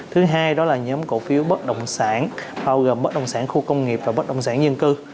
thứ hai đó là nhóm cổ phiếu bất động sản bao gồm bất đồng sản khu công nghiệp và bất động sản dân cư